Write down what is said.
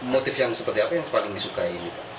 motif yang seperti apa yang paling disukai